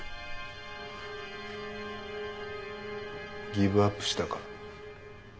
ギブアップしたか。